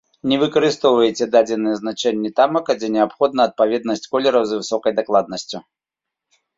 Не выкарыстоўвайце дадзеныя значэнні тамака, дзе неабходна адпаведнасць колераў з высокай дакладнасцю.